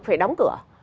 phải đóng cửa